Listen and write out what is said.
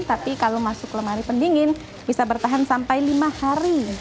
tapi kalau masuk lemari pendingin bisa bertahan sampai lima hari